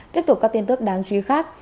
tiếp tục các tin tức đáng truy khác